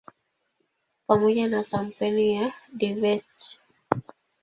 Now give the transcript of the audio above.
Pamoja na kampeni ya "Divest!